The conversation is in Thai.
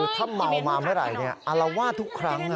คือถ้าเมามาเมื่อไหร่อัลว่าทุกครั้ง